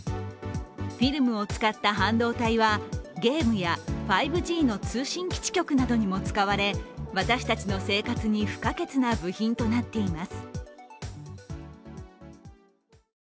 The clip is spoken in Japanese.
フィルムを使った半導体は、ゲームや５Ｇの通信基地局などにも使われ私たちの生活に不可欠な部品となっています。